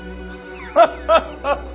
ハハハハ！